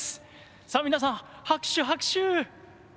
さあ皆さん拍手拍手！